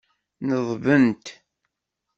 Neḍbent.